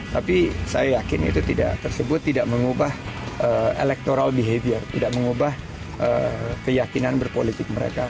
tapi saya yakin itu tidak tersebut tidak mengubah electoral behavior tidak mengubah keyakinan berpolitik mereka